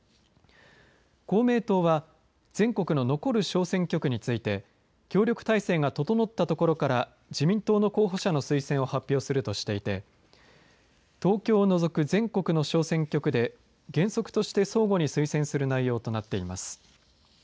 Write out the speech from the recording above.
公明党は全国の残る小選挙区について協力体制が整ったところから自民党の候補者の推薦を発表するとしていて東京を除く全国の小選挙区で原則として相互に推薦する内容となっています。